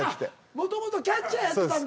もともとはキャッチャーやってたんだ。